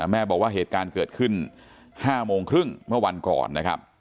บอกว่าเหตุการณ์เกิดขึ้น๕โมงครึ่งเมื่อวันก่อนนะครับ